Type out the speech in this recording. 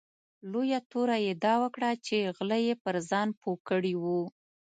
لویه توره یې دا وکړه چې غله یې پر ځان پوه کړي وو.